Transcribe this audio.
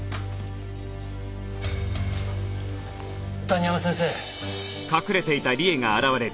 谷浜先生！